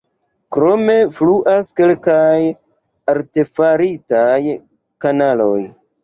Krome fluas kelkaj artefaritaj kanaloj.